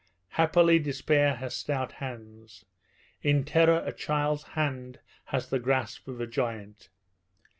Happily despair has stout hands. In terror a child's hand has the grasp of a giant.